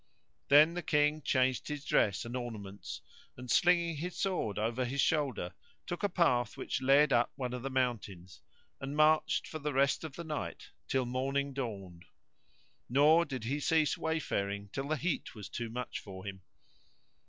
Then the King changed his dress and ornaments and, slinging his sword over his shoulder, took a path which led up one of the mountains and marched for the rest of the night till morning dawned; nor did he cease wayfaring till the heat was too much for him.